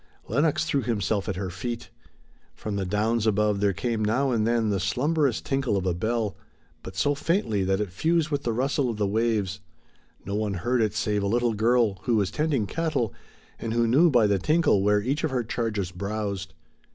Lenox threw himself at her feet. From the downs above there came now and then the slumberous tinkle of a bell, but so faintly that it fused with the rustle of the waves; no one heard it save a little girl who was tending cattle and who knew by the tinkle where each of her charges browsed.